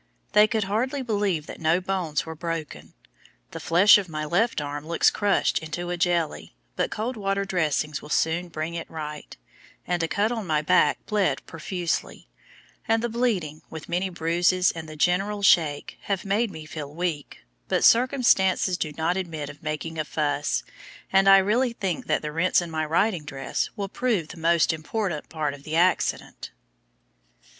They could hardly believe that no bones were broken. The flesh of my left arm looks crushed into a jelly, but cold water dressings will soon bring it right; and a cut on my back bled profusely; and the bleeding, with many bruises and the general shake, have made me feel weak, but circumstances do not admit of "making a fuss," and I really think that the rents in my riding dress will prove the most important part of the accident.